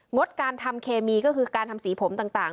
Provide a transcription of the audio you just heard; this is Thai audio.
ดการทำเคมีก็คือการทำสีผมต่าง